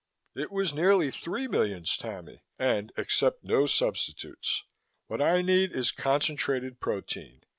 "It was nearly three millions, Tammy, and accept no substitutes. What I need is concentrated protein.